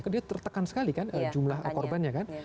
dia tertekan sekali kan jumlah korbannya kan